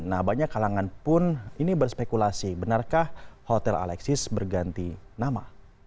nah banyak kalangan pun ini berspekulasi benarkah hotel alexis berganti nama